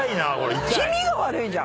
⁉気味が悪いじゃん！